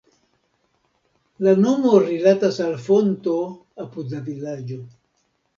La nomo rilatas al fonto apud la vilaĝo.